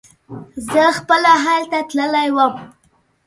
زه خپله هلته تللی وم.